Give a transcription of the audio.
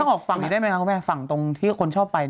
ออกฝั่งนี้ได้ไหมคะคุณแม่ฝั่งตรงที่คนชอบไป